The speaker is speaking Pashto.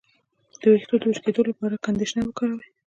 د ویښتو د وچ کیدو لپاره کنډیشنر وکاروئ